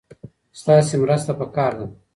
ستاسې مرسته پکار ده.